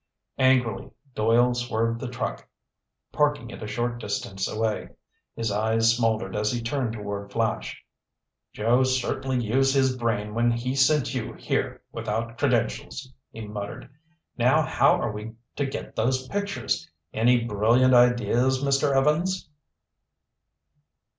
Angrily Doyle swerved the truck, parking it a short distance away. His eyes smoldered as he turned toward Flash. "Joe certainly used his brain when he sent you here without credentials!" he muttered. "Now how are we to get those pictures? Any brilliant ideas, Mr. Evans?"